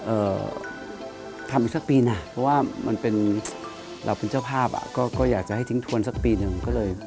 เอ่อทำอีกสักปีน่ะเพราะว่ามันเป็นเราเป็นเจ้าภาพอ่ะก็ก็อยากจะให้ทิ้งทวนสักปีหนึ่งก็เลย